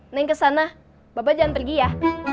neng kesana bapak jangan pergi ya